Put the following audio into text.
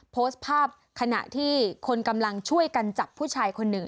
โพสต์ภาพขณะที่คนกำลังช่วยกันจับผู้ชายคนหนึ่ง